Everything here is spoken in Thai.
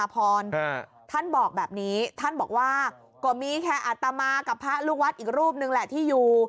พระท่านบอกแบบนี้ว่าก็มีแค่อัตตามากับพระลูกวัดอีกรูปนึงแหละที่อยู่